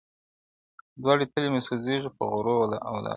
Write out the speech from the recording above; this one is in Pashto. دواړي تلي مي سوځیږي په غرمو ولاړه یمه-